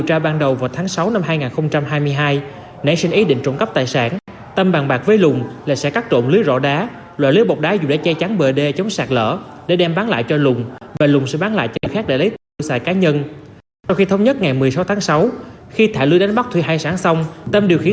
tâm dùng kiểm cắt trộn năm tấm lưới rõ đá sau đó đem bán cho lũ giá hai trăm linh đồng mỗi tấm lưới